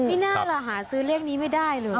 ไม่น่าล่ะหาซื้อเลขนี้ไม่ได้เลย